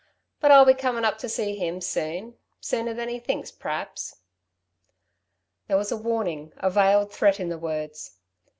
But I'll be comin' up to see him, soon sooner than he thinks p'raps." There was a warning, a veiled threat, in the words.